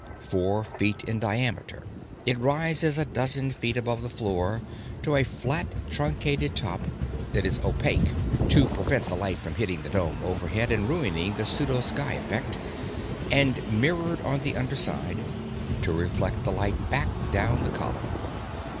Four feet in diameter, it rises a dozen feet above the floor to a flat, truncated top that is opaque to prevent the light from hitting the dome overhead and ruining the pseudo sky effect, and mirrored on the underside to reflect the light back down the column.